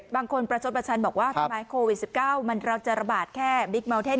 บางคนประชดประชันบอกว่าทำไมโควิด๑๙มันเราจะระบาดแค่บิ๊กเมาเทน